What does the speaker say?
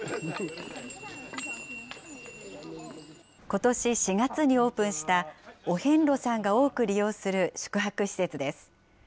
ことし４月にオープンした、お遍路さんが多く利用する宿泊施設です。